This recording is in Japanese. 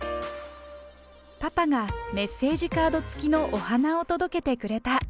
パパがメッセージカード付きのお花を届けてくれた。